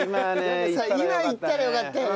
今ねいったらよかったね。